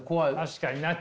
確かにな。